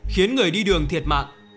khiến người đi đường thiệt mạng